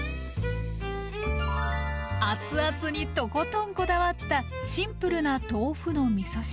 あつあつにとことんこだわったシンプルな豆腐のみそ汁。